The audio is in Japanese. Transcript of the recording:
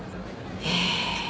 へえ。